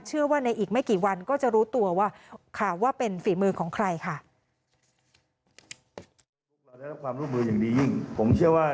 เชื่อว่าในอีกไม่กี่วันก็จะรู้ตัวว่าข่าวว่าเป็นฝีมือของใครค่ะ